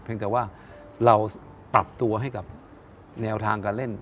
แต่ว่าเราปรับตัวให้กับแนวทางการเล่น